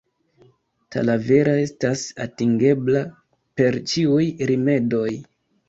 Talavera estas atingebla per ĉiuj rimedoj.